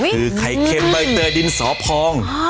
คือไข่เค็มใบเตยดินสอพอง